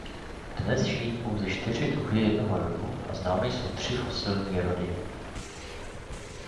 Dnes žijí pouze čtyři druhy jednoho rodu a známy jsou tři fosilní rody.